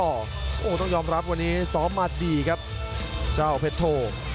โอ้โหต้องยอมรับวันนี้ซ้อมมาดีครับเจ้าเพชรโท